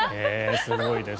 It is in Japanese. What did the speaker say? すごいです。